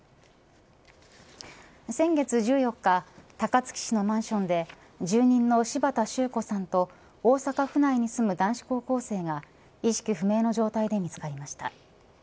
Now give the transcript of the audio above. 先月１４日高槻市のマンションで住人の柴田周子さんと大阪府内に住む男子高校生が意識不明の状態で見つかりました。